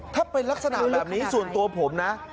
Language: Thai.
ถ้าเป็นลักษณะแบบนี้ส่วนตัวผมนะ